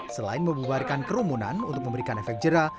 selain membubarkan kerumunan untuk memberikan efek jerah